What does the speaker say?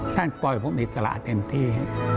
แทนปล่อยผมในจราเต็มที่